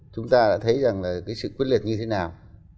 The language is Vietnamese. chúng ta đã thấy rằng là cái sự quyết liệt như thế nào